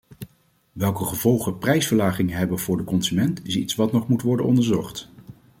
Welke gevolgen prijsverlagingen hebben voor de consument is iets wat nog moet worden onderzocht.